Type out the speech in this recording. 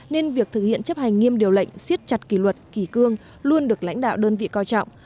nên việc thực hiện chấp hành nghiêm điều lệnh siết chặt kỷ luật kỳ cương luôn được lãnh đạo đơn vị coi trọng